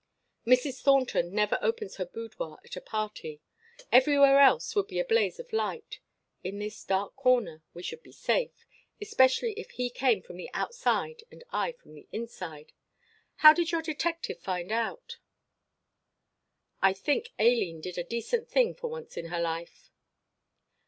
Mrs. Thornton never opens her boudoir at a party. Everywhere else would be a blaze of light. In this dark corner we should be safe, especially if he came from the outside and I from inside. How did your detective find out?" "I think Aileen did a decent thing for once in her life."